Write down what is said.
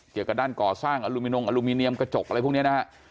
เกี่ยวกับด้านก่อสร้างอลูมินงอลูมิเนียมกระจกอะไรพวกนี้นะฮะ